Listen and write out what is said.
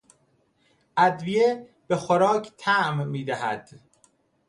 ادویه به خوراک طعم میدهد.